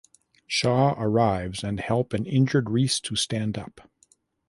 Shaw arrives and help an injured Reese to stand up.